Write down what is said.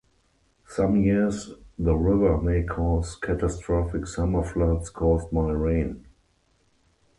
Some years the river may cause catastrophic summer floods caused by rain.